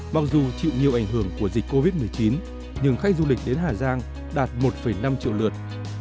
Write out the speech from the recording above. mặc dù chịu nhiều ảnh hưởng của dịch covid một mươi chín nhưng khách du lịch đến hà giang đạt một năm triệu lượt